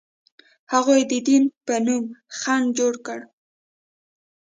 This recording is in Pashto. هغوی د دین په نوم خنډ جوړ کړ.